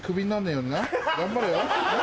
頑張れよ。